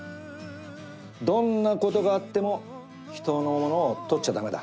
どんなことがあっても人のものを取っちゃ駄目だ。